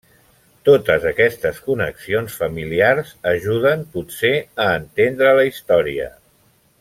Totes aquestes connexions familiars ajuden potser a entendre la història.